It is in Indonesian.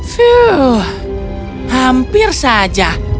fuh hampir saja